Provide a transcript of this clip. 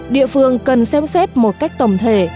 địa phương cần xem xét một cách tổng thể